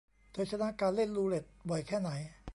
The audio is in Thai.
เธอชนะการเล่นรูเล็ต บ่อยแค่ไหน ?